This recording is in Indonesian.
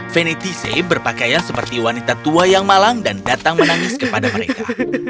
venetic berpakaian seperti wanita tua yang malang dan datang menangis kepada mereka